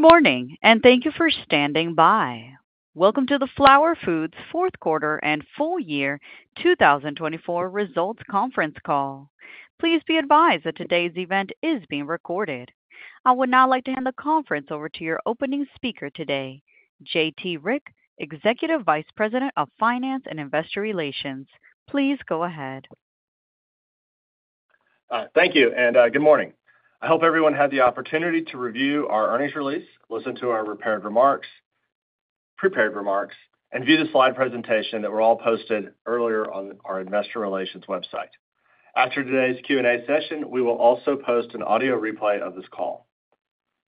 Good morning, and thank you for standing by. Welcome to the Flowers Foods Q4 and Full Year 2024 results conference call. Please be advised that today's event is being recorded. I would now like to hand the conference over to your opening speaker today, J.T. Rieck, Executive Vice President of Finance and Investor Relations. Please go ahead. Thank you, and good morning. I hope everyone had the opportunity to review our earnings release, listen to our prepared remarks, and view the slide presentation that were all posted earlier on our Investor Relations website. After today's Q&A session, we will also post an audio replay of this call.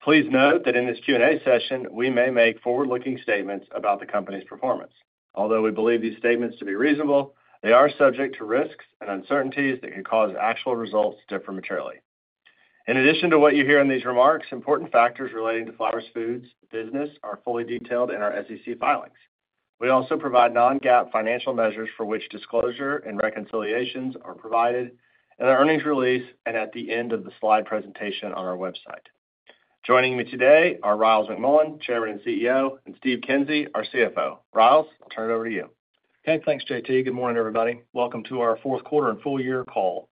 Please note that in this Q&A session, we may make forward-looking statements about the company's performance. Although we believe these statements to be reasonable, they are subject to risks and uncertainties that can cause actual results to differ materially. In addition to what you hear in these remarks, important factors relating to Flowers Foods' business are fully detailed in our SEC filings. We also provide non-GAAP financial measures for which disclosure and reconciliations are provided in the earnings release and at the end of the slide presentation on our website. Joining me today are Ryals McMullian, Chairman and CEO, and Steve Kinsey, our CFO. Ryals, I'll turn it over to you. Okay, thanks, J.T. Good morning, everybody. Welcome to our Q4 and full-year call.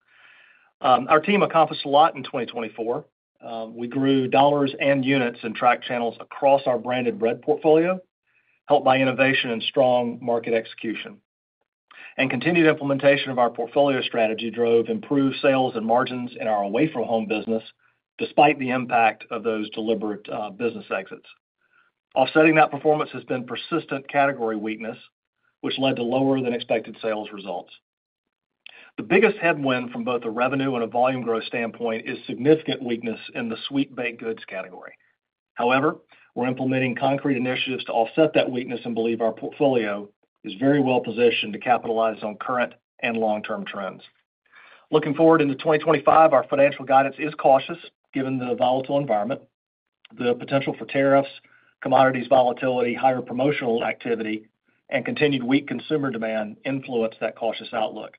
Our team accomplished a lot in 2024. We grew dollars and units and tracked channels across our branded bread portfolio, helped by innovation and strong market execution, and continued implementation of our portfolio strategy drove improved sales and margins in our away-from-home business, despite the impact of those deliberate business exits. Offsetting that performance has been persistent category weakness, which led to lower-than-expected sales results. The biggest headwind from both a revenue and a volume growth standpoint is significant weakness in the sweet baked goods category. However, we're implementing concrete initiatives to offset that weakness and believe our portfolio is very well positioned to capitalize on current and long-term trends. Looking forward into 2025, our financial guidance is cautious given the volatile environment. The potential for tariffs, commodities volatility, higher promotional activity, and continued weak consumer demand influence that cautious outlook.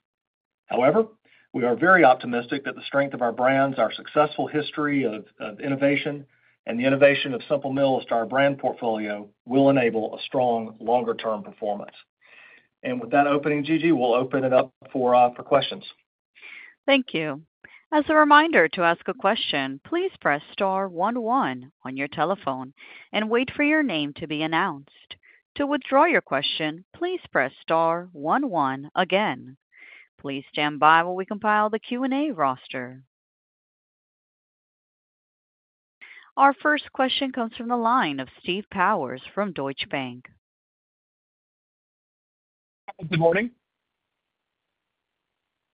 However, we are very optimistic that the strength of our brands, our successful history of innovation, and the innovation of Simple Mills to our brand portfolio will enable a strong longer-term performance. And with that opening, Gigi, we'll open it up for questions. Thank you. As a reminder to ask a question, please press star one one on your telephone and wait for your name to be announced. To withdraw your question, please press star one one again. Please stand by while we compile the Q&A roster. Our first question comes from the line of Steve Powers from Deutsche Bank. Good morning.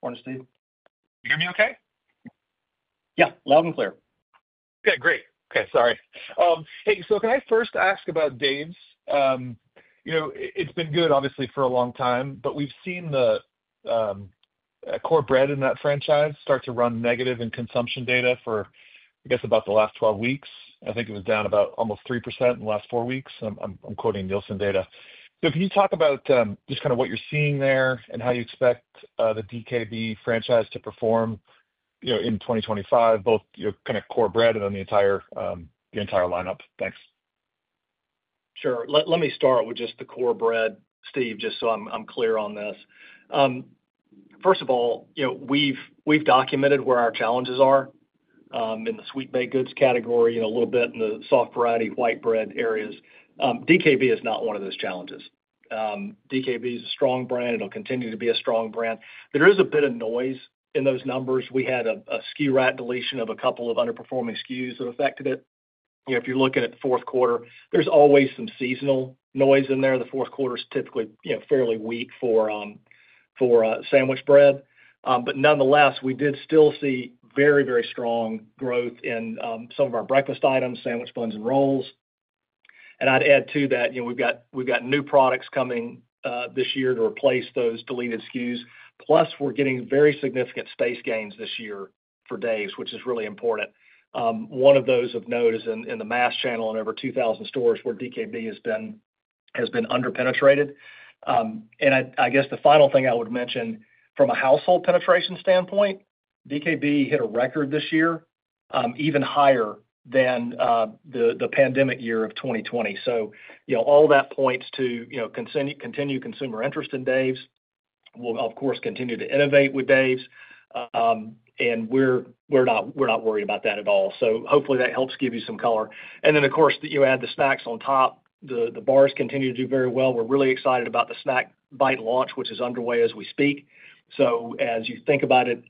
Morning, Steve. Can you hear me, okay? Yeah, loud and clear. Okay, great. Okay, sorry. Hey, so can I first ask about Dave's? It's been good, obviously, for a long time, but we've seen the core bread in that franchise start to run negative in consumption data for, I guess, about the last 12 weeks. I think it was down about almost 3% in the last four weeks. I'm quoting Nielsen data. So can you talk about just kind of what you're seeing there and how you expect the DKB franchise to perform in 2025, both kind of core bread and then the entire lineup? Thanks. Sure. Let me start with just the core bread, Steve, just so I'm clear on this. First of all, we've documented where our challenges are in the sweet baked goods category and a little bit in the soft variety white bread areas. DKB is not one of those challenges. DKB is a strong brand. It'll continue to be a strong brand. There is a bit of noise in those numbers. We had an SKU rationalization of a couple of underperforming SKUs that affected it. If you're looking at the Q4, there's always some seasonal noise in there. The Q4 is typically fairly weak for sandwich bread. But nonetheless, we did still see very, very strong growth in some of our breakfast items, sandwich buns, and rolls. And I'd add to that, we've got new products coming this year to replace those deleted SKUs. Plus, we're getting very significant space gains this year for Dave's, which is really important. One of those of note is in the mass channel in over 2,000 stores where DKB has been underpenetrated. And I guess the final thing I would mention from a household penetration standpoint, DKB hit a record this year, even higher than the pandemic year of 2020. So all that points to continued consumer interest in Dave's. We'll, of course, continue to innovate with Dave's, and we're not worried about that at all. So hopefully that helps give you some color. And then, of course, you add the snacks on top. The bars continue to do very well. We're really excited about the Snack Bites launch, which is underway as we speak. So as you think about it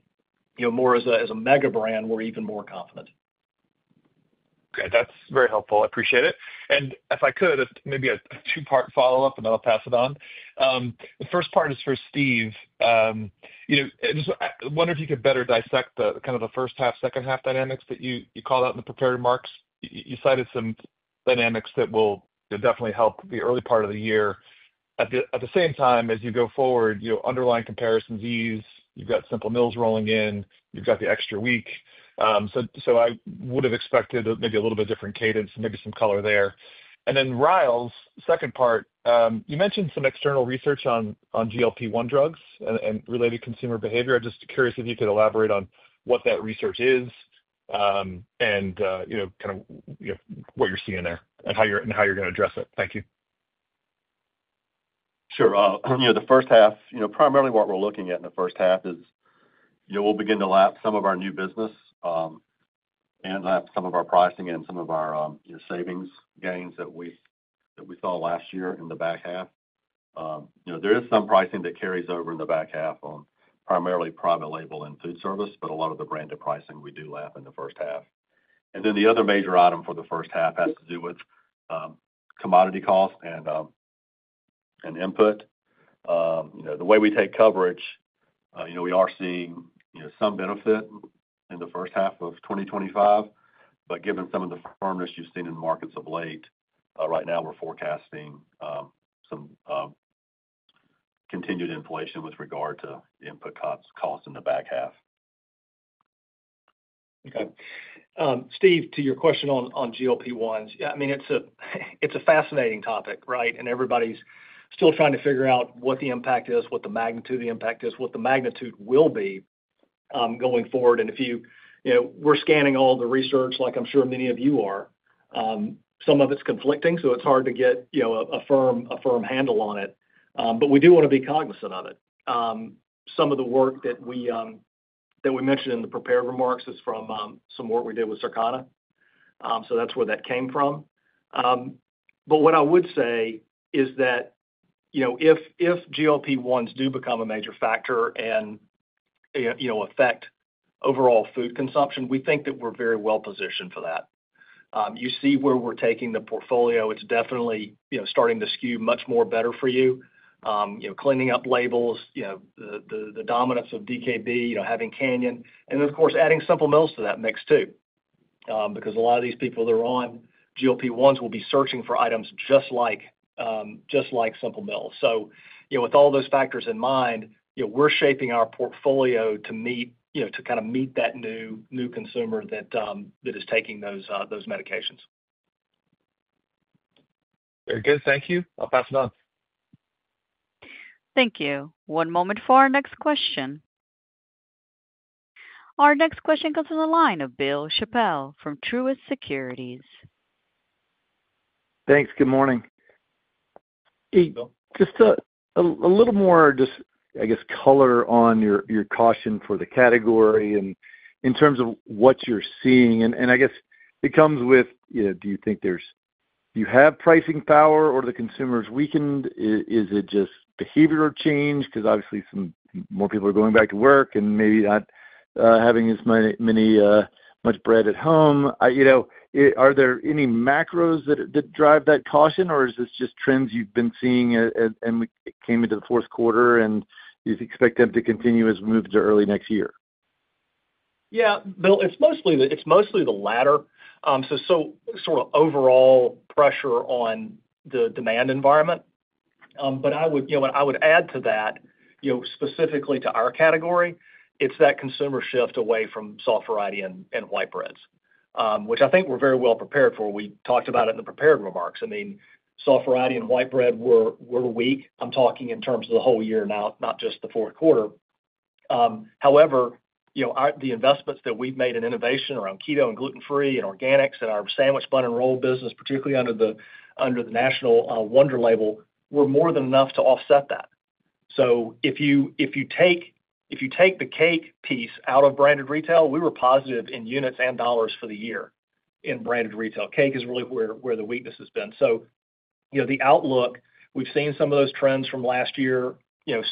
more as a mega brand, we're even more confident. Okay, that's very helpful. I appreciate it. And if I could, maybe a two-part follow-up, and then I'll pass it on. The first part is for Steve. I wonder if you could better dissect kind of the first half, second half dynamics that you called out in the prepared remarks. You cited some dynamics that will definitely help the early part of the year. At the same time, as you go forward, underlying comparisons, you've got Simple Mills rolling in. You've got the extra week. So I would have expected maybe a little bit different cadence, maybe some color there. And then Ryals' second part, you mentioned some external research on GLP-1 drugs and related consumer behavior. I'm just curious if you could elaborate on what that research is and kind of what you're seeing there and how you're going to address it? Thank you. Sure. In the first half, primarily what we're looking at in the first half is we'll begin to lap some of our new business and lap some of our pricing and some of our savings gains that we saw last year in the back half. There is some pricing that carries over in the back half on primarily private label and foodservice, but a lot of the branded pricing we do lap in the first half. And then the other major item for the first half has to do with commodity costs and input. The way we take coverage, we are seeing some benefit in the first half of 2025, but given some of the firmness you've seen in the markets of late, right now we're forecasting some continued inflation with regard to input costs in the back half. Okay. Steve, to your question on GLP-1s, I mean, it's a fascinating topic, right? And everybody's still trying to figure out what the impact is, what the magnitude of the impact is, what the magnitude will be going forward. And if you were scanning all the research, like I'm sure many of you are, some of it's conflicting, so it's hard to get a firm handle on it. But we do want to be cognizant of it. Some of the work that we mentioned in the prepared remarks is from some work we did with Circana. So that's where that came from. But what I would say is that if GLP-1s do become a major factor and affect overall food consumption, we think that we're very well positioned for that. You see where we're taking the portfolio. It's definitely starting to skew much more better for you, cleaning up labels, the dominance of DKB, having Canyon, and then, of course, adding Simple Mills to that mix too, because a lot of these people that are on GLP-1s will be searching for items just like Simple Mills. So with all those factors in mind, we're shaping our portfolio to kind of meet that new consumer that is taking those medications. Very good. Thank you. I'll pass it on. Thank you. One moment for our next question. Our next question comes from the line of Bill Chappell from Truist Securities. Thanks. Good morning. Hey. Just a little more, I guess, color on your caution for the category and in terms of what you're seeing, and I guess it comes with, do you think you have pricing power or the consumer's weakened? Is it just behavioral change? Because obviously some more people are going back to work and maybe not having as much bread at home. Are there any macros that drive that caution, or is this just trends you've been seeing and came into the Q4 and you expect them to continue as we move into early next year? Yeah, Bill, it's mostly the latter. So sort of overall pressure on the demand environment. But I would add to that, specifically to our category, it's that consumer shift away from soft variety and white breads, which I think we're very well prepared for. We talked about it in the prepared remarks. I mean, soft variety and white bread were weak. I'm talking in terms of the whole year now, not just the Q4. However, the investments that we've made in innovation around keto and gluten-free and organics and our sandwich, bun, and roll business, particularly under the national Wonder label, were more than enough to offset that. So if you take the cake piece out of branded retail, we were positive in units and dollars for the year in branded retail. Cake is really where the weakness has been. So the outlook, we've seen some of those trends from last year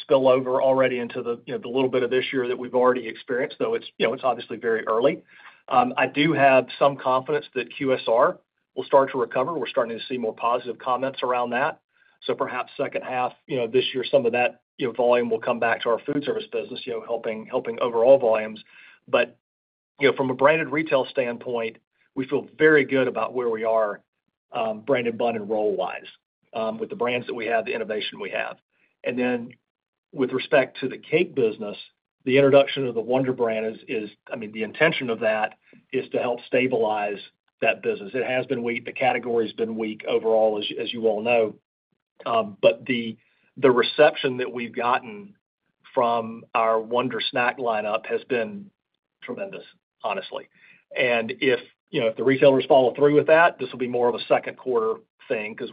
spill over already into the little bit of this year that we've already experienced, though it's obviously very early. I do have some confidence that QSR will start to recover. We're starting to see more positive comments around that. So perhaps second half this year, some of that volume will come back to our foodservice business, helping overall volumes. But from a branded retail standpoint, we feel very good about where we are branded bun and roll-wise with the brands that we have, the innovation we have. And then with respect to the cake business, the introduction of the Wonder brand is, I mean, the intention of that is to help stabilize that business. It has been weak. The category has been weak overall, as you all know. But the reception that we've gotten from our Wonder snack lineup has been tremendous, honestly. And if the retailers follow through with that, this will be more of a Q2 thing because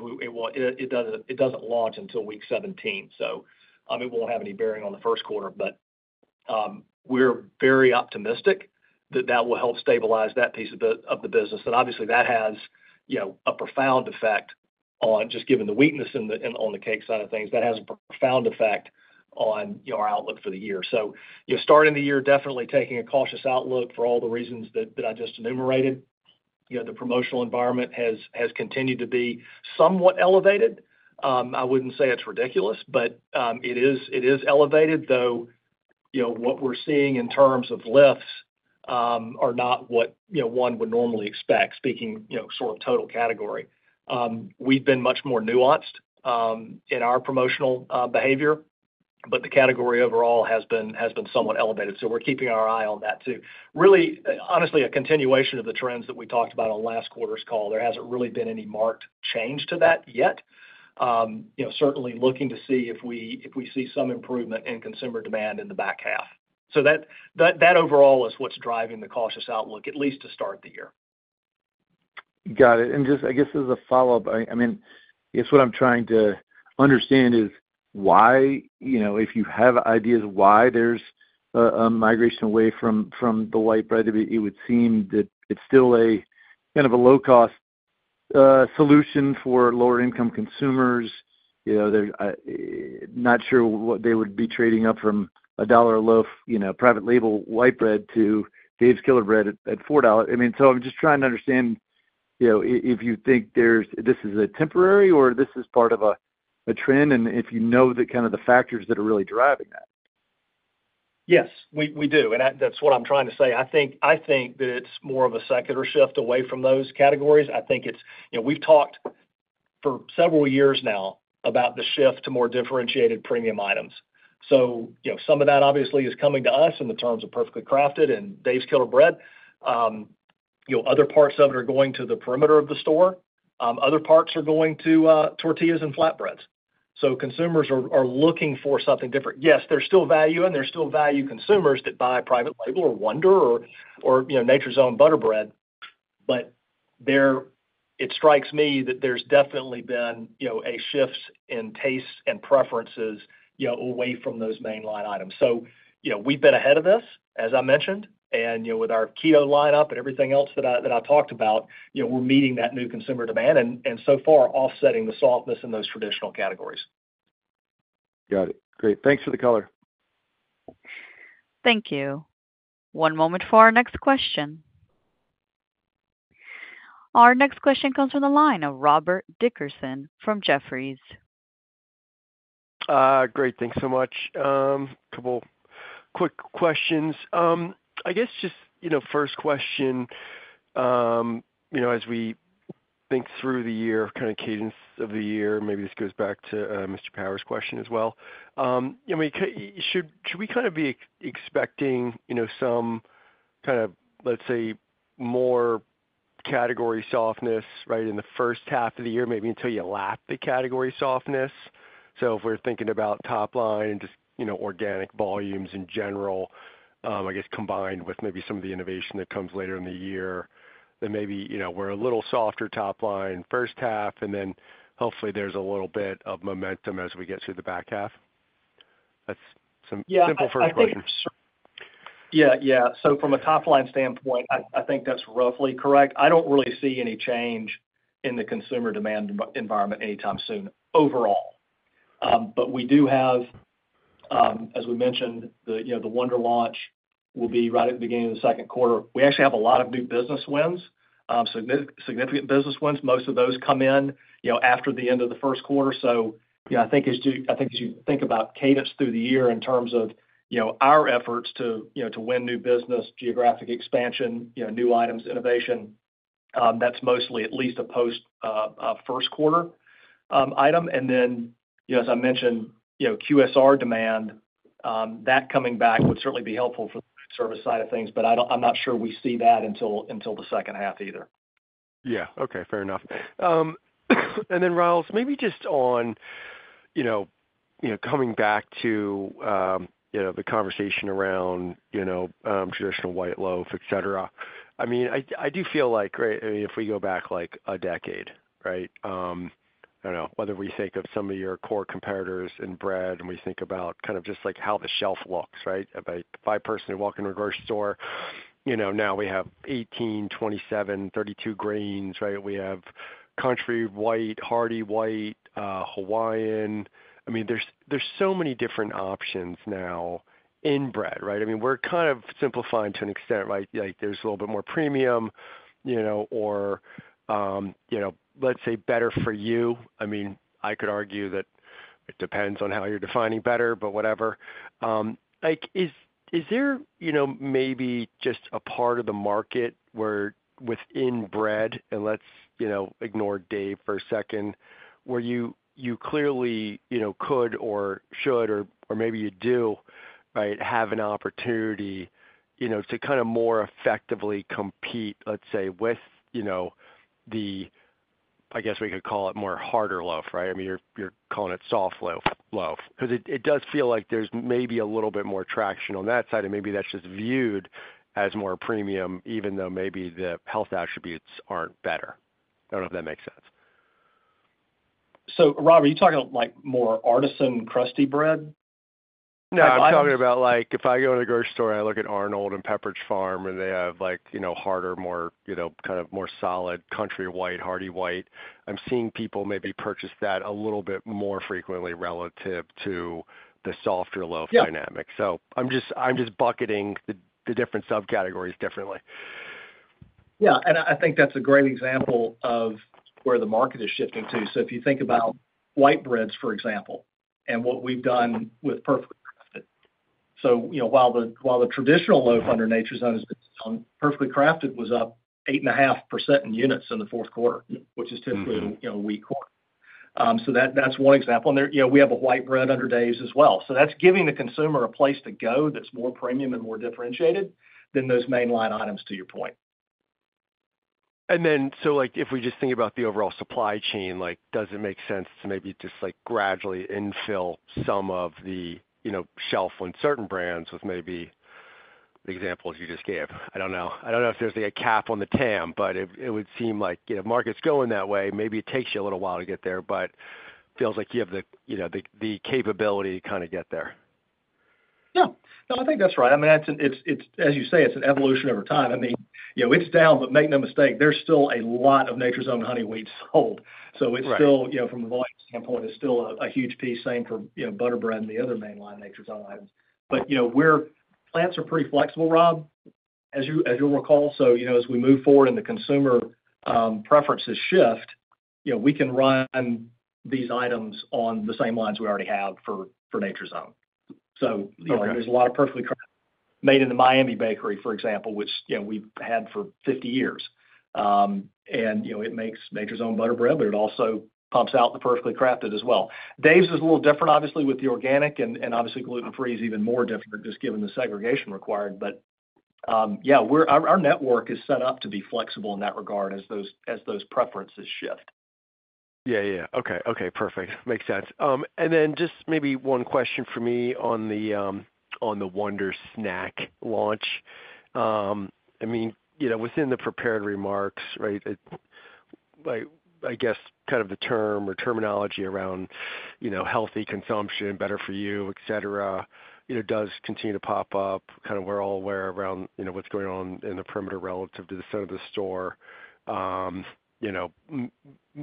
it doesn't launch until week 17. So it won't have any bearing on the Q1, but we're very optimistic that that will help stabilize that piece of the business. And obviously, that has a profound effect on just given the weakness on the cake side of things. That has a profound effect on our outlook for the year. So starting the year, definitely taking a cautious outlook for all the reasons that I just enumerated. The promotional environment has continued to be somewhat elevated. I wouldn't say it's ridiculous, but it is elevated, though what we're seeing in terms of lifts are not what one would normally expect, speaking sort of total category. We've been much more nuanced in our promotional behavior, but the category overall has been somewhat elevated. So we're keeping our eye on that too. Really, honestly, a continuation of the trends that we talked about on last quarter's call. There hasn't really been any marked change to that yet. Certainly looking to see if we see some improvement in consumer demand in the back half. So that overall is what's driving the cautious outlook, at least to start the year. Got it. And just, I guess, as a follow-up, I mean, guess what I'm trying to understand is why, if you have ideas why there's a migration away from the white bread, it would seem that it's still kind of a low-cost solution for lower-income consumers. Not sure what they would be trading up from $1 a loaf private label white bread to Dave's Killer Bread at $4. I mean, so I'm just trying to understand if you think this is temporary or this is part of a trend and if you know kind of the factors that are really driving that. Yes, we do. And that's what I'm trying to say. I think that it's more of a secular shift away from those categories. I think we've talked for several years now about the shift to more differentiated premium items. So some of that obviously is coming to us in the terms of Perfectly Crafted and Dave's Killer Bread. Other parts of it are going to the perimeter of the store. Other parts are going to tortillas and flatbreads. So consumers are looking for something different. Yes, there's still value, and there's still value consumers that buy private label or Wonder or Nature's Own Butterbread. But it strikes me that there's definitely been a shift in tastes and preferences away from those main line items. So we've been ahead of this, as I mentioned, and with our keto lineup and everything else that I talked about, we're meeting that new consumer demand and so far offsetting the softness in those traditional categories. Got it. Great. Thanks for the color. Thank you. One moment for our next question. Our next question comes from the line of Robert Dickerson from Jefferies. Great. Thanks so much. A couple of quick questions. I guess just first question, as we think through the year, kind of cadence of the year, maybe this goes back to Mr. Powers' question as well. I mean, should we kind of be expecting some kind of, let's say, more category softness, right, in the first half of the year, maybe until you lap the category softness? So if we're thinking about top line and just organic volumes in general, I guess combined with maybe some of the innovation that comes later in the year, then maybe we're a little softer top line first half, and then hopefully there's a little bit of momentum as we get through the back half. That's a simple first question. Yeah. Yeah. So from a top line standpoint, I think that's roughly correct. I don't really see any change in the consumer demand environment anytime soon overall. But we do have, as we mentioned, the Wonder launch will be right at the beginning of the Q2. We actually have a lot of new business wins, significant business wins. Most of those come in after the end of the Q1. So I think as you think about cadence through the year in terms of our efforts to win new business, geographic expansion, new items, innovation, that's mostly at least a post-Q1 item. And then, as I mentioned, QSR demand, that coming back would certainly be helpful for the foodservice side of things, but I'm not sure we see that until the second half either. Yeah. Okay. Fair enough, and then, Ryals, maybe just on coming back to the conversation around traditional white loaf, etc. I mean, I do feel like, right, if we go back like a decade, right, I don't know, whether we think of some of your core competitors in bread and we think about kind of just like how the shelf looks, right? If I personally walk in a grocery store, now we have 18, 27, 32 grains, right? We have Country White, Hearty White, Hawaiian. I mean, there's so many different options now in bread, right? I mean, we're kind of simplifying to an extent, right? There's a little bit more premium or, let's say, better for you. I mean, I could argue that it depends on how you're defining better, but whatever. Is there maybe just a part of the market where within bread, and let's ignore Dave for a second, where you clearly could or should or maybe you do, right, have an opportunity to kind of more effectively compete, let's say, with the, I guess we could call it more harder loaf, right? I mean, you're calling it soft loaf. Because it does feel like there's maybe a little bit more traction on that side, and maybe that's just viewed as more premium, even though maybe the health attributes aren't better. I don't know if that makes sense. So Robert, are you talking about more artisan crusty bread? No, I'm talking about if I go to the grocery store, I look at Arnold and Pepperidge Farm, and they have harder, more kind of more solid Country White, Hearty White. I'm seeing people maybe purchase that a little bit more frequently relative to the softer loaf dynamic. So I'm just bucketing the different subcategories differently. Yeah. And I think that's a great example of where the market is shifting to. So if you think about white breads, for example, and what we've done with Perfectly Crafted. So while the traditional loaf under Nature's Own has been Perfectly Crafted, was up 8.5% in units in the Q4, which is typically a weak quarter. So that's one example. And we have a white bread under Dave's as well. So that's giving the consumer a place to go that's more premium and more differentiated than those main line items, to your point. And then, so if we just think about the overall supply chain, does it make sense to maybe just gradually infill some of the shelf on certain brands with maybe the examples you just gave? I don't know. I don't know if there's a cap on the TAM, but it would seem like the market's going that way, maybe it takes you a little while to get there, but it feels like you have the capability to kind of get there. Yeah. No, I think that's right. I mean, as you say, it's an evolution over time. I mean, it's down, but make no mistake, there's still a lot of Nature's Own Honey Wheat sold. So from a volume standpoint, it's still a huge piece. Same for Butterbread and the other main line Nature's Own items, but plants are pretty flexible, Rob, as you'll recall. So as we move forward and the consumer preferences shift, we can run these items on the same lines we already have for Nature's Own. So there's a lot of Perfectly Crafted made in the Miami bakery, for example, which we've had for 50 years, and it makes Nature's Own Butterbread, but it also pumps out the Perfectly Crafted as well. Dave's is a little different, obviously, with the organic and obviously gluten-free is even more different just given the segregation required. But yeah, our network is set up to be flexible in that regard as those preferences shift. Yeah. Okay. Perfect. Makes sense. And then just maybe one question for me on the Wonder snack launch. I mean, within the prepared remarks, right, I guess kind of the term or terminology around healthy consumption, better for you, etc., does continue to pop up. Kind of, we're all aware around what's going on in the perimeter relative to the center of the store. I mean,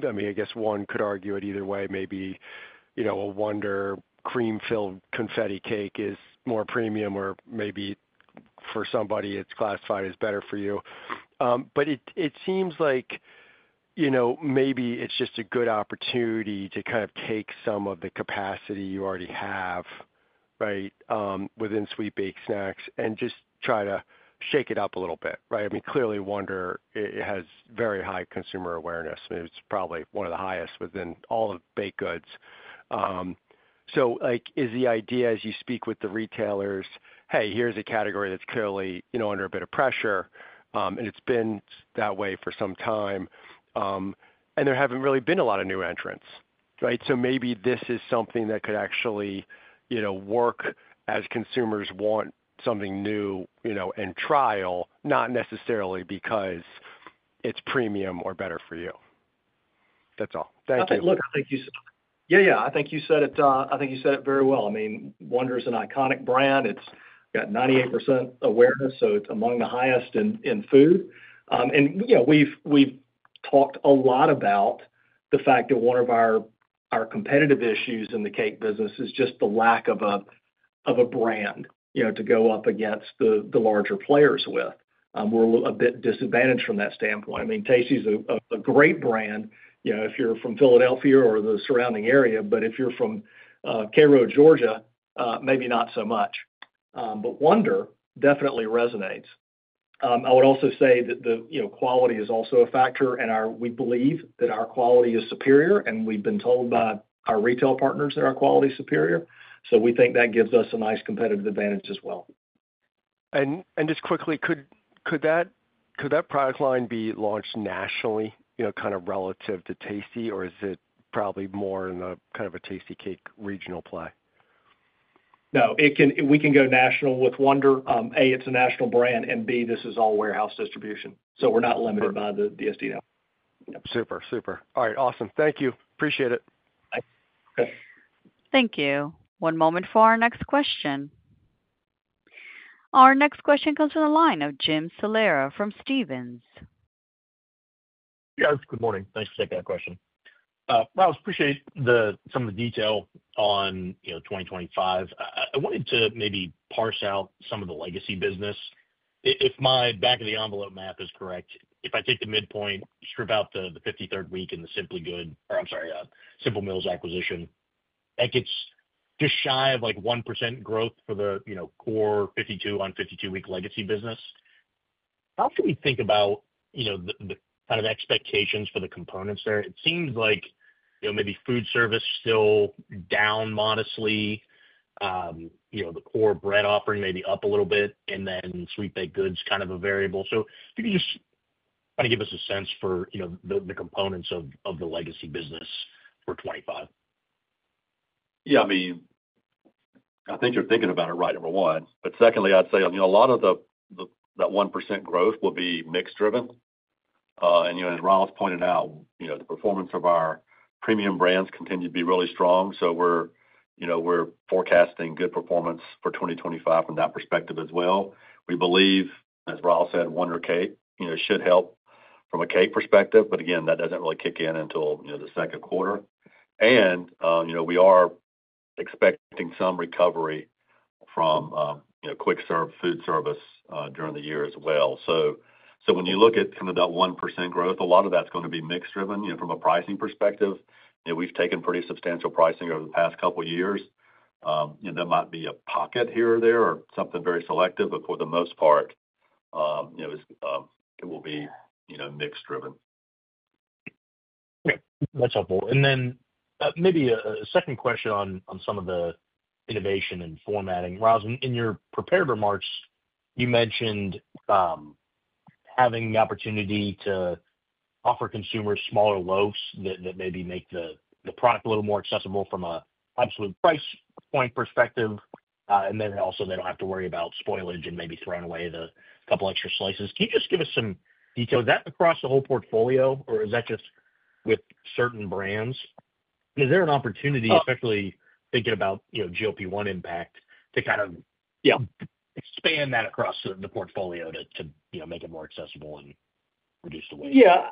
I guess one could argue it either way. Maybe a Wonder Confetti Cake is more premium or maybe for somebody it's classified as better for you. But it seems like maybe it's just a good opportunity to kind of take some of the capacity you already have, right, within sweet baked snacks and just try to shake it up a little bit, right? I mean, clearly, Wonder, it has very high consumer awareness. It's probably one of the highest within all of baked goods. So is the idea as you speak with the retailers, "Hey, here's a category that's clearly under a bit of pressure," and it's been that way for some time, and there haven't really been a lot of new entrants, right? So maybe this is something that could actually work as consumers want something new and trial, not necessarily because it's premium or better for you. That's all. Thank you. I think you said it. Yeah. Yeah. I think you said it. I think you said it very well. I mean, Wonder is an iconic brand. It's got 98% awareness, so it's among the highest in food. And we've talked a lot about the fact that one of our competitive issues in the cake business is just the lack of a brand to go up against the larger players with. We're a bit disadvantaged from that standpoint. I mean, Tastykake's a great brand if you're from Philadelphia or the surrounding area, but if you're from Cairo, Georgia, maybe not so much. But Wonder definitely resonates. I would also say that the quality is also a factor, and we believe that our quality is superior, and we've been told by our retail partners that our quality is superior. So we think that gives us a nice competitive advantage as well. Just quickly, could that product line be launched nationally kind of relative to Tastykake, or is it probably more in kind of a Tastykake regional play? No. We can go national with Wonder. A, it's a national brand, and B, this is all warehouse distribution. So we're not limited by the DSD. Super. Super. All right. Awesome. Thank you. Appreciate it. Thanks. Thank you. One moment for our next question. Our next question comes from the line of Jim Salera from Stephens. Yes. Good morning. Thanks for taking that question. I appreciate some of the detail on 2025. I wanted to maybe parse out some of the legacy business. If my back-of-the-envelope map is correct, if I take the midpoint, strip out the 53rd week and the Simply Good, or I'm sorry, Simple Mills acquisition, that gets just shy of 1% growth for the core 52-on-52-week legacy business. How should we think about the kind of expectations for the components there? It seems like maybe foodservice still down modestly, the core bread offering maybe up a little bit, and then sweet baked goods kind of a variable. So if you could just kind of give us a sense for the components of the legacy business for 2025? Yeah. I mean, I think you're thinking about it right, number one. But secondly, I'd say a lot of that 1% growth will be mix-driven. And as Ryals pointed out, the performance of our premium brands continues to be really strong. So we're forecasting good performance for 2025 from that perspective as well. We believe, as Ryals said, Wonder cake should help from a cake perspective. But again, that doesn't really kick in until the Q2. And we are expecting some recovery from quick-serve foodservice during the year as well. So when you look at kind of that 1% growth, a lot of that's going to be mix-driven from a pricing perspective. We've taken pretty substantial pricing over the past couple of years. There might be a pocket here or there or something very selective, but for the most part, it will be mix-driven. Okay. That's helpful, and then maybe a second question on some of the innovation and formatting. Ryals, in your prepared remarks, you mentioned having the opportunity to offer consumers smaller loaves that maybe make the product a little more accessible from an absolute price point perspective. And then also, they don't have to worry about spoilage and maybe throwing away a couple of extra slices. Can you just give us some detail? Is that across the whole portfolio, or is that just with certain brands? Is there an opportunity, especially thinking about GLP-1 impact, to kind of expand that across the portfolio to make it more accessible and reduce the weight? Yeah.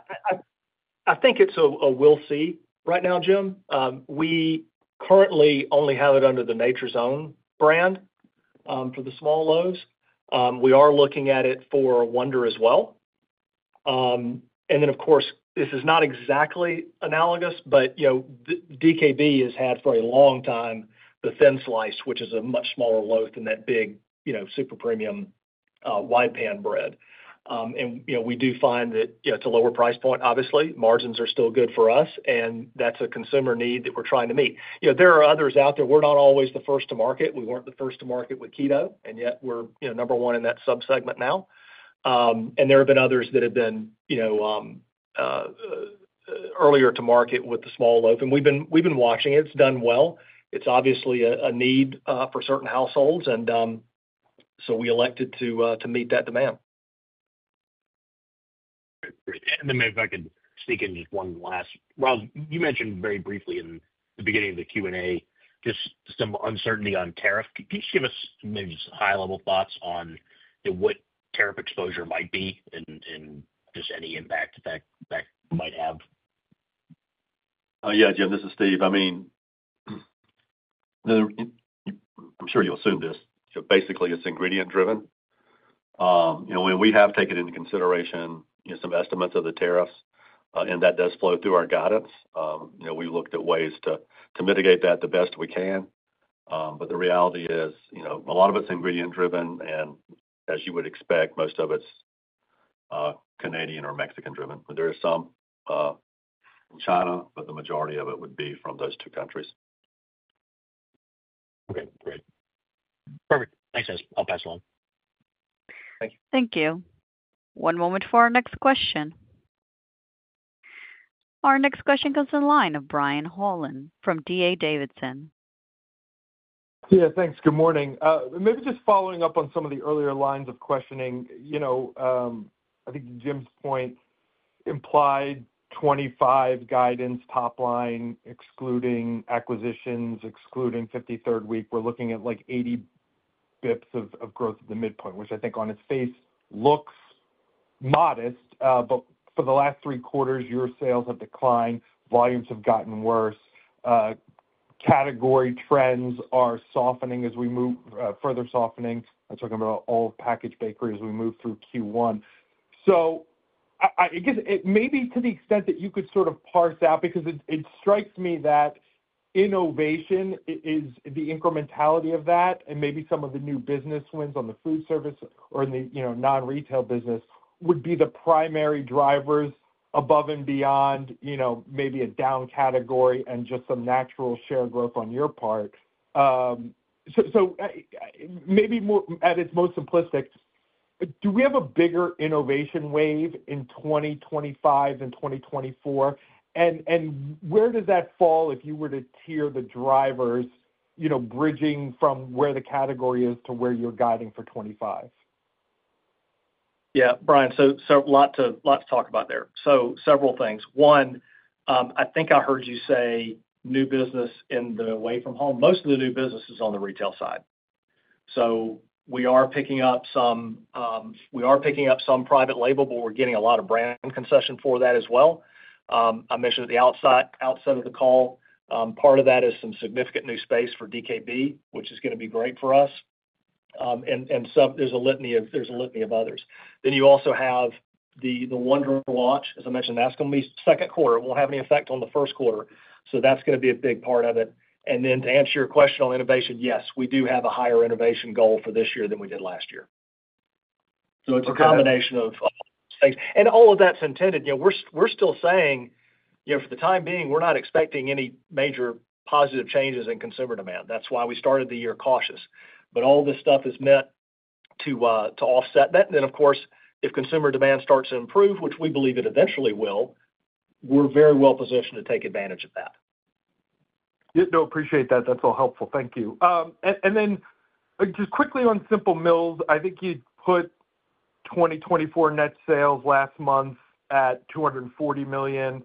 I think it's a we'll see right now, Jim. We currently only have it under the Nature's Own brand for the small loaves. We are looking at it for Wonder as well. And then, of course, this is not exactly analogous, but DKB has had for a long time the thin slice, which is a much smaller loaf than that big super premium wide pan bread. And we do find that it's a lower price point, obviously. Margins are still good for us, and that's a consumer need that we're trying to meet. There are others out there. We're not always the first to market. We weren't the first to market with keto, and yet we're number one in that subsegment now. And there have been others that have been earlier to market with the small loaf. And we've been watching it. It's done well. It's obviously a need for certain households, and so we elected to meet that demand. Great. And then if I can sneak in just one last, Ryals, you mentioned very briefly in the beginning of the Q&A just some uncertainty on tariff. Can you just give us maybe just high-level thoughts on what tariff exposure might be and just any impact that might have? Yeah. Jim, this is Steve. I mean, I'm sure you'll assume this. Basically, it's ingredient-driven. We have taken into consideration some estimates of the tariffs, and that does flow through our guidance. We looked at ways to mitigate that the best we can. But the reality is a lot of it's ingredient-driven, and as you would expect, most of it's Canadian or Mexican-driven. There is some in China, but the majority of it would be from those two countries. Okay. Great. Perfect. Thanks, guys. I'll pass along. Thank you. Thank you. One moment for our next question. Our next question comes in line of Brian Holland from D.A. Davidson. Yeah. Thanks. Good morning. Maybe just following up on some of the earlier lines of questioning. I think Jim's point implied 2025 guidance top line, excluding acquisitions, excluding 53rd week. We're looking at like 80 basis points of growth at the midpoint, which I think on its face looks modest. But for the last three quarters, your sales have declined. Volumes have gotten worse. Category trends are softening as we move further softening. I'm talking about all packaged bakery as we move through Q1. So maybe to the extent that you could sort of parse out, because it strikes me that innovation is the incrementality of that, and maybe some of the new business wins on the foodservice or in the non-retail business would be the primary drivers above and beyond maybe a down category and just some natural share growth on your part. So maybe at its most simplistic, do we have a bigger innovation wave in 2025 and 2024? And where does that fall if you were to tier the drivers bridging from where the category is to where you're guiding for 2025? Yeah. Brian, so lots to talk about there. So several things. One, I think I heard you say new business in the away from home. Most of the new business is on the retail side. So we are picking up some private label, but we're getting a lot of brand concession for that as well. I mentioned at the outset of the call, part of that is some significant new space for DKB, which is going to be great for us. And there's a litany of others. Then you also have the Wonder launch. As I mentioned, that's going to be Q2. It won't have any effect on the Q1. So that's going to be a big part of it. And then to answer your question on innovation, yes, we do have a higher innovation goal for this year than we did last year. So it's a combination of things. And all of that's intended. We're still saying for the time being, we're not expecting any major positive changes in consumer demand. That's why we started the year cautious. But all this stuff is meant to offset that. And then, of course, if consumer demand starts to improve, which we believe it eventually will, we're very well positioned to take advantage of that. Yeah. No, appreciate that. That's all helpful. Thank you. And then just quickly on Simple Mills, I think you'd put 2024 net sales last month at $240 million.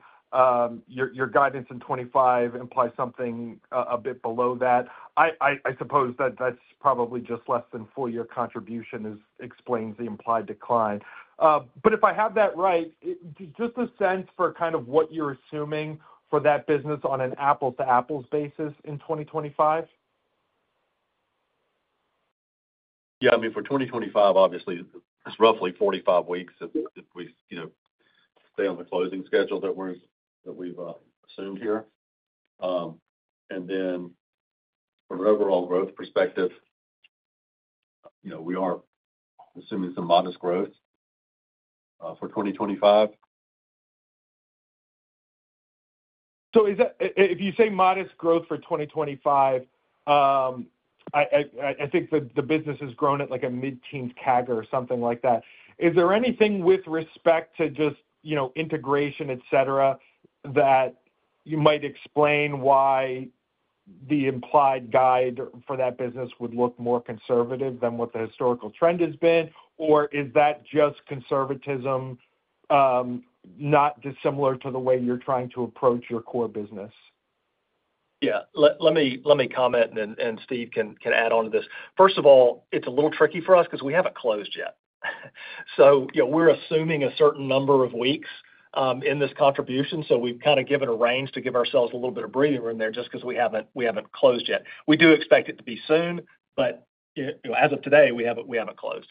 Your guidance in 2025 implies something a bit below that. I suppose that that's probably just less than full year contribution explains the implied decline. But if I have that right, just a sense for kind of what you're assuming for that business on an apples-to-apples basis in 2025? Yeah. I mean, for 2025, obviously, it's roughly 45 weeks if we stay on the closing schedule that we've assumed here. And then from an overall growth perspective, we are assuming some modest growth for 2025. So if you say modest growth for 2025, I think the business has grown at like a mid-teens CAGR or something like that. Is there anything with respect to just integration, etc., that you might explain why the implied guide for that business would look more conservative than what the historical trend has been? Or is that just conservatism, not dissimilar to the way you're trying to approach your core business? Yeah. Let me comment, and Steve can add on to this. First of all, it's a little tricky for us because we haven't closed yet. So we're assuming a certain number of weeks in this contribution. So we've kind of given a range to give ourselves a little bit of breathing room there just because we haven't closed yet. We do expect it to be soon, but as of today, we haven't closed.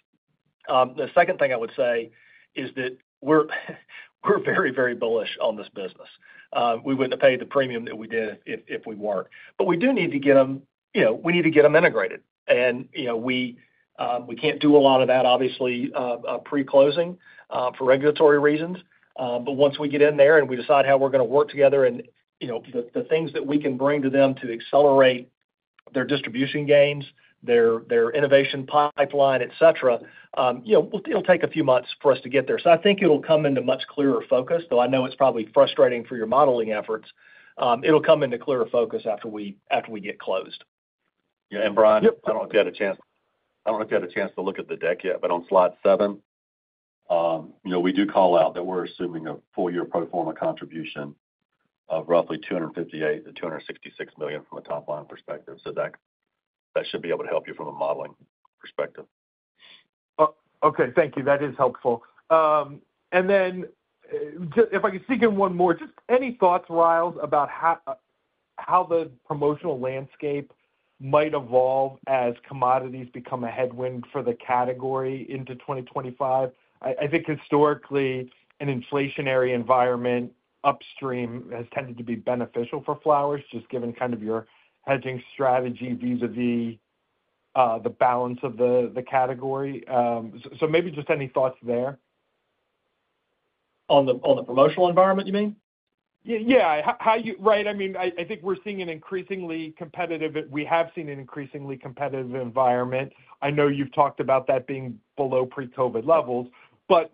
The second thing I would say is that we're very, very bullish on this business. We wouldn't have paid the premium that we did if we weren't. But we do need to get them integrated. And we can't do a lot of that, obviously, pre-closing for regulatory reasons. But once we get in there and we decide how we're going to work together and the things that we can bring to them to accelerate their distribution gains, their innovation pipeline, etc., it'll take a few months for us to get there. So I think it'll come into much clearer focus, though I know it's probably frustrating for your modeling efforts. It'll come into clearer focus after we get closed. Yeah. And Brian, I don't know if you had a chance to look at the deck yet, but on slide seven, we do call out that we're assuming a full year pro forma contribution of roughly $258-266 million from a top line perspective. So that should be able to help you from a modeling perspective. Okay. Thank you. That is helpful. And then if I could sneak in one more, just any thoughts, Ryals, about how the promotional landscape might evolve as commodities become a headwind for the category into 2025? I think historically, an inflationary environment upstream has tended to be beneficial for Flowers, just given kind of your hedging strategy vis-à-vis the balance of the category. So maybe just any thoughts there? On the promotional environment, you mean? Yeah. Right. I mean, I think we've seen an increasingly competitive environment. I know you've talked about that being below pre-COVID levels, but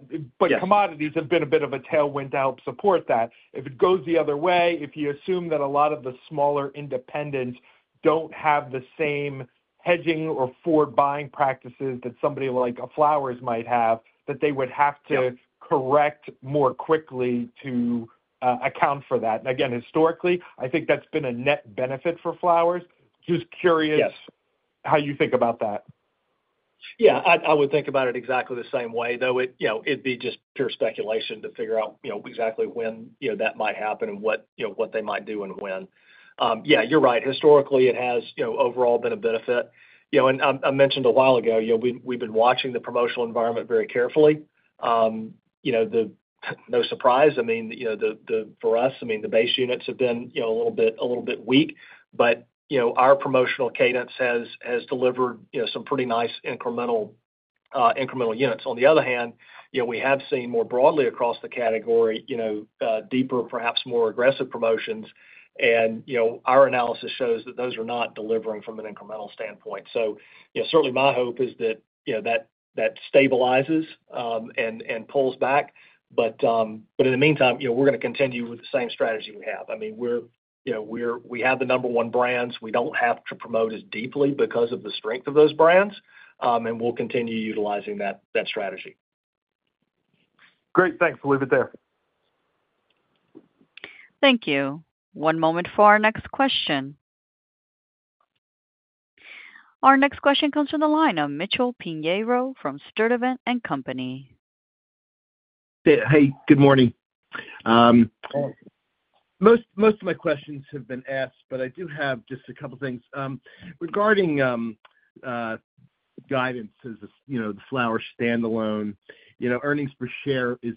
commodities have been a bit of a tailwind to help support that. If it goes the other way, if you assume that a lot of the smaller independents don't have the same hedging or forward-buying practices that somebody like Flowers might have, that they would have to correct more quickly to account for that. And again, historically, I think that's been a net benefit for Flowers. Just curious how you think about that? Yeah. I would think about it exactly the same way, though it'd be just pure speculation to figure out exactly when that might happen and what they might do and when. Yeah. You're right. Historically, it has overall been a benefit, and I mentioned a while ago, we've been watching the promotional environment very carefully. No surprise. I mean, for us, I mean, the base units have been a little bit weak, but our promotional cadence has delivered some pretty nice incremental units. On the other hand, we have seen more broadly across the category, deeper, perhaps more aggressive promotions, and our analysis shows that those are not delivering from an incremental standpoint. So certainly, my hope is that that stabilizes and pulls back, but in the meantime, we're going to continue with the same strategy we have. I mean, we have the number one brands. We don't have to promote as deeply because of the strength of those brands, and we'll continue utilizing that strategy. Great. Thanks. We'll leave it there. Thank you. One moment for our next question. Our next question comes from the line of Mitchell Pinheiro from Sturdivant & Company. Hey. Good morning. Most of my questions have been asked, but I do have just a couple of things. Regarding guidance, the Flowers standalone, earnings per share is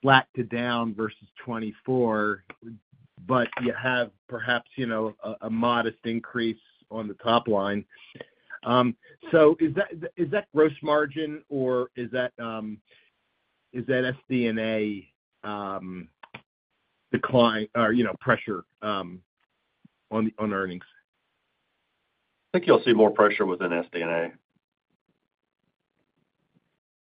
flat to down versus 2024, but you have perhaps a modest increase on the top line. So is that gross margin, or is that SG&A decline or pressure on earnings? I think you'll see more pressure within SG&A.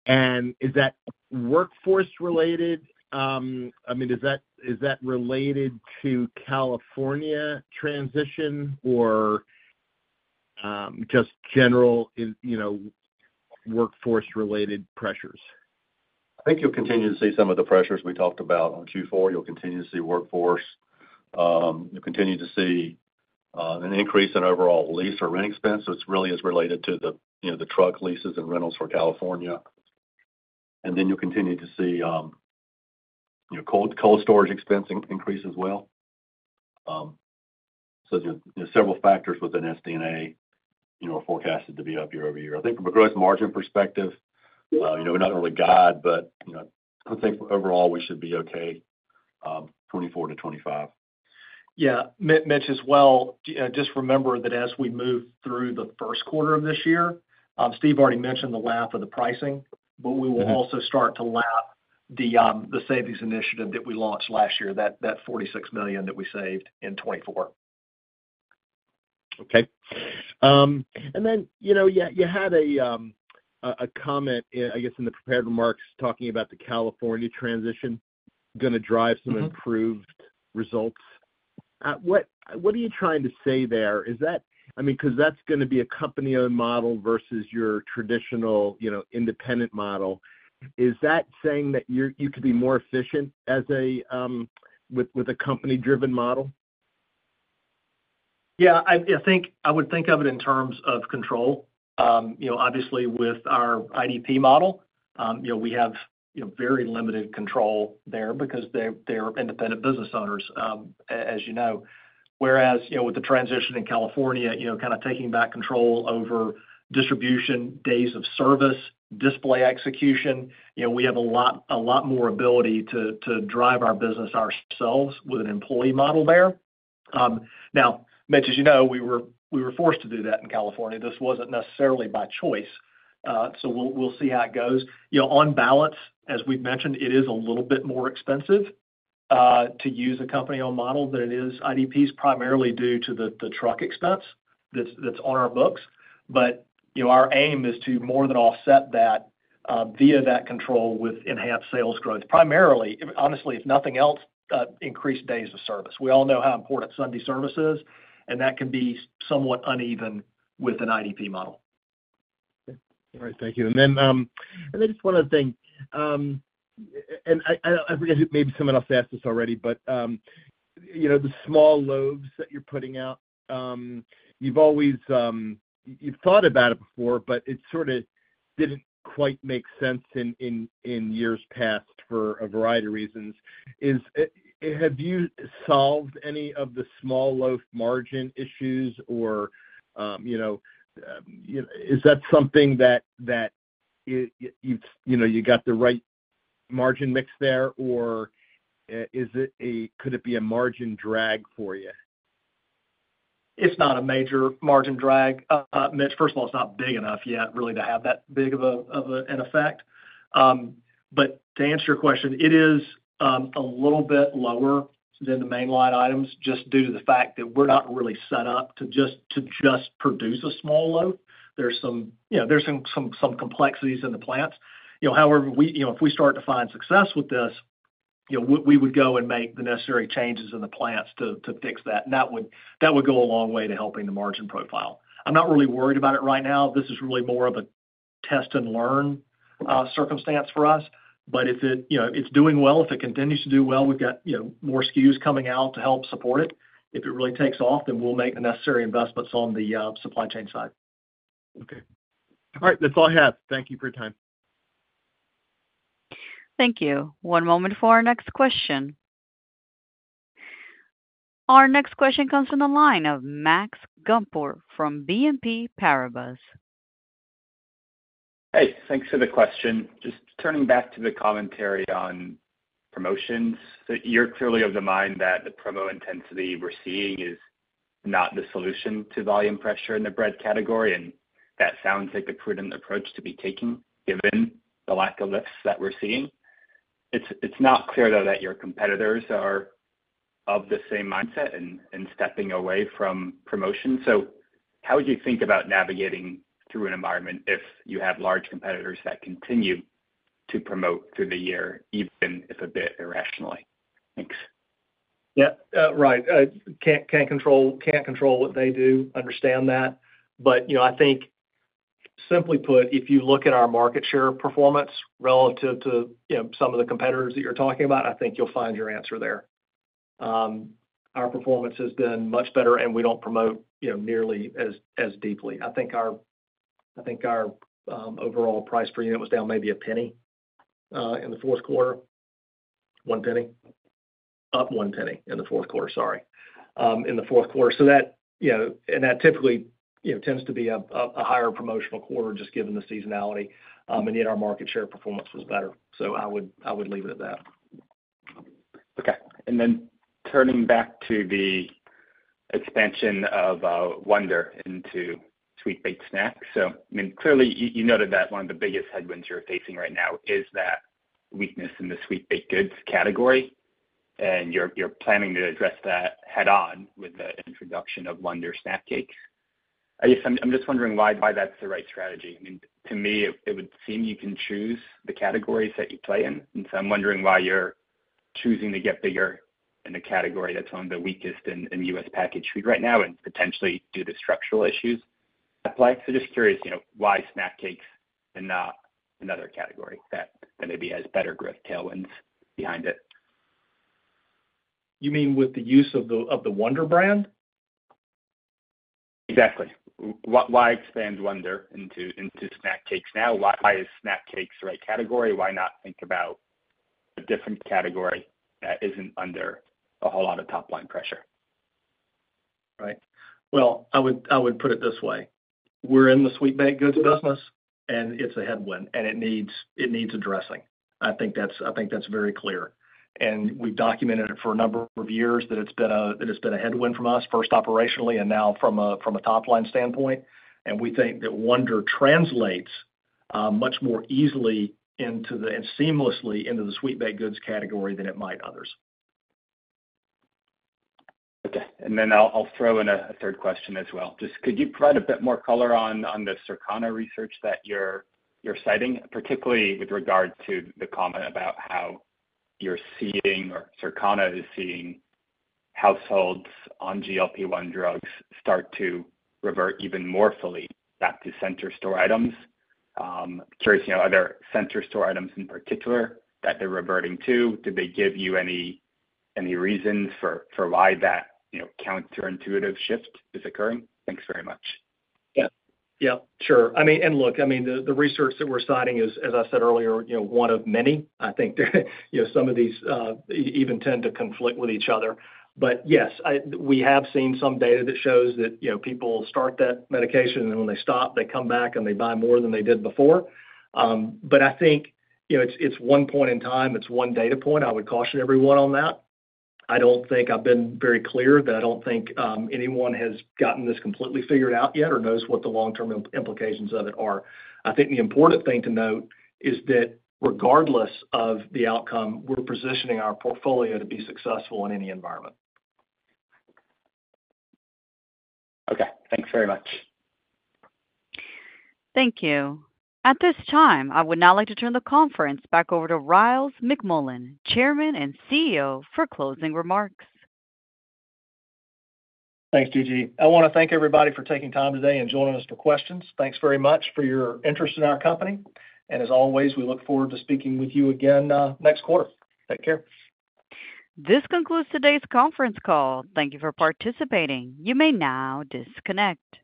And is that workforce-related? I mean, is that related to California transition or just general workforce-related pressures? I think you'll continue to see some of the pressures we talked about on Q4. You'll continue to see workforce. You'll continue to see an increase in overall lease or rent expense. So it's really related to the truck leases and rentals for California. And then you'll continue to see cold storage expense increase as well. So several factors within SG&A are forecasted to be up year-over-year. I think from a gross margin perspective, we're not really guided, but I think overall, we should be okay 2024 to 2025. Yeah. Mitch, as well, just remember that as we move through the Q1 of this year, Steve already mentioned the lapping of the pricing, but we will also start to lap the savings initiative that we launched last year, that $46 million that we saved in 2024. Okay. And then you had a comment, I guess, in the prepared remarks talking about the California transition going to drive some improved results. What are you trying to say there? I mean, because that's going to be a company-owned model versus your traditional independent model. Is that saying that you could be more efficient with a company-driven model? Yeah. I would think of it in terms of control. Obviously, with our IDP model, we have very limited control there because they're independent business owners, as you know. Whereas with the transition in California, kind of taking back control over distribution, days of service, display execution, we have a lot more ability to drive our business ourselves with an employee model there. Now, Mitch, as you know, we were forced to do that in California. This wasn't necessarily by choice. So we'll see how it goes. On balance, as we've mentioned, it is a little bit more expensive to use a company-owned model than it is IDPs, primarily due to the truck expense that's on our books. But our aim is to more than offset that via that control with enhanced sales growth, primarily, honestly, if nothing else, increased days of service. We all know how important Sunday service is, and that can be somewhat uneven with an IDP model. All right. Thank you. And then I just want to ask, and I forget if maybe someone else asked this already, but the small loaves that you're putting out, you've thought about it before, but it sort of didn't quite make sense in years past for a variety of reasons. Have you solved any of the small loaf margin issues, or is that something that you got the right margin mix there, or could it be a margin drag for you? It's not a major margin drag. First of all, it's not big enough yet really to have that big of an effect. But to answer your question, it is a little bit lower than the main line items just due to the fact that we're not really set up to just produce a small loaf. There's some complexities in the plants. However, if we start to find success with this, we would go and make the necessary changes in the plants to fix that. And that would go a long way to helping the margin profile. I'm not really worried about it right now. This is really more of a test-and-learn circumstance for us. But if it's doing well, if it continues to do well, we've got more SKUs coming out to help support it. If it really takes off, then we'll make the necessary investments on the supply chain side. Okay. All right. That's all I have. Thank you for your time. Thank you. One moment for our next question. Our next question comes from the line of Max Gumport from BNP Paribas. Hey. Thanks for the question. Just turning back to the commentary on promotions, you're clearly of the mind that the promo intensity we're seeing is not the solution to volume pressure in the bread category. And that sounds like a prudent approach to be taken given the lack of lifts that we're seeing. It's not clear, though, that your competitors are of the same mindset and stepping away from promotion. So how would you think about navigating through an environment if you have large competitors that continue to promote through the year, even if a bit irrationally? Thanks. Yeah. Right. Can't control what they do. Understand that. But I think, simply put, if you look at our market share performance relative to some of the competitors that you're talking about, I think you'll find your answer there. Our performance has been much better, and we don't promote nearly as deeply. I think our overall price per unit was down maybe a penny in the Q4. One penny. Up one penny in the Q4. Sorry. In the Q4. And that typically tends to be a higher promotional quarter just given the seasonality. And yet our market share performance was better. So I would leave it at that. Okay. And then turning back to the expansion of Wonder into sweet baked snacks. So I mean, clearly, you noted that one of the biggest headwinds you're facing right now is that weakness in the sweet baked goods category. And you're planning to address that head-on with the introduction of Wonder Snack Cakes. I guess I'm just wondering why that's the right strategy. I mean, to me, it would seem you can choose the categories that you play in. And so I'm wondering why you're choosing to get bigger in a category that's on the weakest in U.S. packaged food right now and potentially due to structural issues. That play. So just curious why Snack Cakes and not another category that maybe has better growth tailwinds behind it. You mean with the use of the Wonder brand? Exactly. Why expand Wonder into Snack Cakes now? Why is Snack Cakes the right category? Why not think about a different category that isn't under a whole lot of top line pressure? Right. Well, I would put it this way. We're in the sweet baked goods business, and it's a headwind, and it needs addressing. I think that's very clear. And we've documented it for a number of years that it's been a headwind from us first operationally and now from a top-line standpoint. And we think that Wonder translates much more easily and seamlessly into the sweet baked goods category than it might others. Okay. And then I'll throw in a third question as well. Just could you provide a bit more color on the Circana research that you're citing, particularly with regards to the comment about how you're seeing, or Circana is seeing, households on GLP-1 drugs start to revert even more fully back to center store items. Curious, are there center store items in particular that they're reverting to? Did they give you any reasons for why that counterintuitive shift is occurring? Thanks very much. Yeah. Yeah. Sure. I mean, and look, I mean, the research that we're citing is, as I said earlier, one of many. I think some of these even tend to conflict with each other. But yes, we have seen some data that shows that people start that medication, and when they stop, they come back, and they buy more than they did before. But I think it's one point in time. It's one data point. I would caution everyone on that. I don't think I've been very clear that I don't think anyone has gotten this completely figured out yet or knows what the long-term implications of it are. I think the important thing to note is that regardless of the outcome, we're positioning our portfolio to be successful in any environment. Okay. Thanks very much. Thank you. At this time, I would now like to turn the conference back over to Ryals McMullian, Chairman and CEO, for closing remarks. Thanks, Gigi. I want to thank everybody for taking time today and joining us for questions. Thanks very much for your interest in our company. And as always, we look forward to speaking with you again next quarter. Take care. This concludes today's conference call. Thank you for participating. You may now disconnect.